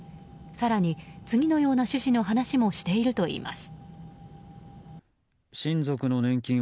更に、次のような趣旨の話もしているといいます。